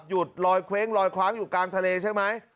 ลอยเคว้งลอยคว้างอยู่กลางทะเลใช่ไหม